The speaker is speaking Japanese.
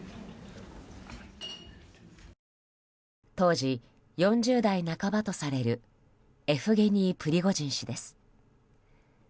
当時４０代半ばとされるエフゲニー・プリゴジン氏です。